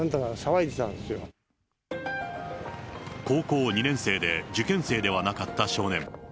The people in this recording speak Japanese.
高校２年生で受験生ではなかった少年。